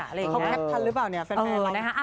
คงแพทย์พันหรือเปล่าเนี่ยแฟนมานะฮะ